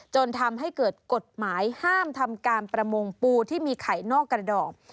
จนทำให้เกิดกฎหมายห้ามทำการประมงปูที่มีไข่นอกกระดอก